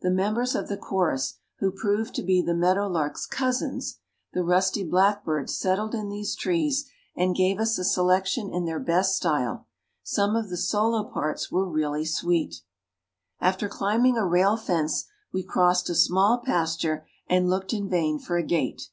The members of the chorus who proved to be the meadowlarks' cousins, the rusty blackbirds settled in these trees and gave us a selection in their best style. Some of the solo parts were really sweet. After climbing a rail fence we crossed a small pasture and looked in vain for a gate.